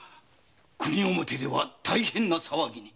国表では大騒ぎに。